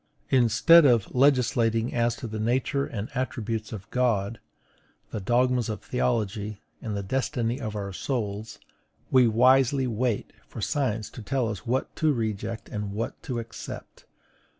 Instead of legislating as to the nature and attributes of God, the dogmas of theology, and the destiny of our souls, we wisely wait for science to tell us what to reject and what to accept.